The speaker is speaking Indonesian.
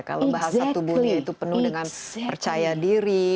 kalau bahasa tubuhnya itu penuh dengan percaya diri